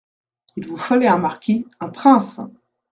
Il vous fallait un marquis, un prince !